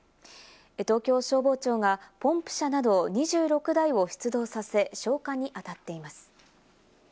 東京消防庁がポンプ車など２６台を出動させ、消火にあたっています。